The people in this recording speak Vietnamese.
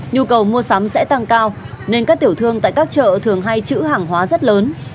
nhu cầu mua sắm sẽ tăng cao nên các tiểu thương tại các chợ thường hay chữ hàng hóa rất lớn